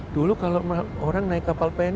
dulu kalau orang naik kapal pn